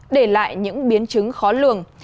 để lại những biến chứng khó lường